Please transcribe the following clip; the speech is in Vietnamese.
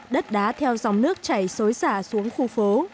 đất đá theo dòng nước chảy xối xả xuống khu phố